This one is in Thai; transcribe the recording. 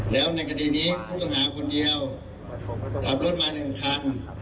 แล้วในคดีนี้ผู้ต้องหาคนเดียวขับรถมา๑คัน